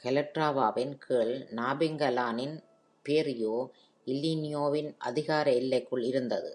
கலட்ராவாவின் கீழ் நாபிங்கலானின் பேரியோ, இல்லியோவின் அதிகார எல்லைக்குள் இருந்தது.